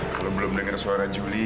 kalau belum dengar suara juli